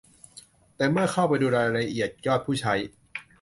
แต่เมื่อเข้าไปดูรายละเอียดยอดผู้ใช้